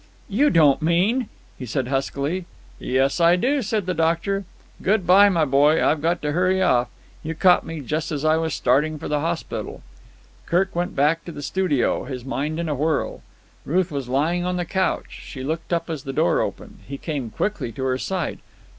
"You don't mean——" he said huskily. "Yes, I do," said the doctor. "Good bye, my boy. I've got to hurry off. You caught me just as I was starting for the hospital." Kirk went back to the studio, his mind in a whirl. Ruth was lying on the couch. She looked up as the door opened. He came quickly to her side.